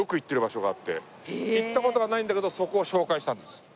行った事がないんだけどそこを紹介したんです。